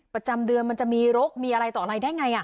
ประจำเดือนมันจะมีรกมีอะไรต่ออะไรได้ไง